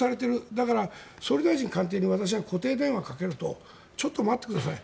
だから、総理大臣官邸に私が固定電話をかけるとちょっと待ってください